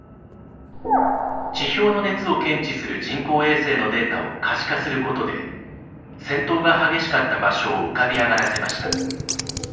地表の熱を検知する人工衛星のデータを可視化することで戦闘が激しかった場所を浮かび上がらせました。